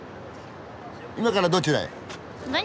今からどちらへ？